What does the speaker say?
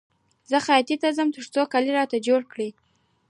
زه خیاطۍ ته ځم تر څو کالي راته جوړ کړي